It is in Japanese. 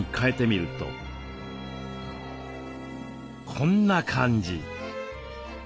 こんな感じ。